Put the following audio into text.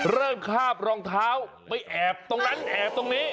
คาบรองเท้าไปแอบตรงนั้นแอบตรงนี้